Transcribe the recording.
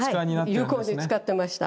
有効に使ってました。